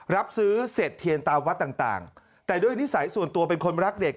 รับซื้อเสร็จเทียนตามวัดต่างแต่ด้วยนิสัยส่วนตัวเป็นคนรักเด็ก